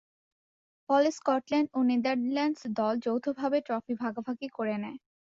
ফলে স্কটল্যান্ড ও নেদারল্যান্ডস দল যৌথভাবে ট্রফি ভাগাভাগি করে নেয়।